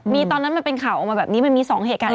มีตอนนั้นมันเป็นข่าวออกมาแบบนี้มันมี๒เหตุการณ์